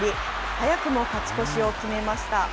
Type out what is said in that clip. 早くも勝ち越しを決めました。